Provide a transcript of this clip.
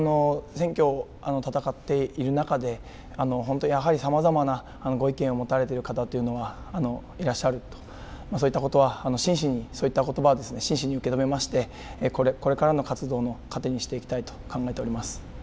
選挙を戦っている中でやはり、さまざまな意見を抱いていらっしゃる方というのはいらっしゃるということはあってそういったことばは真摯に受け止めてこれからの活動の糧にしていきたいと考えています。